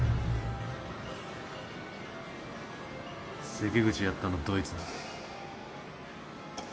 関口やったのどいつだ？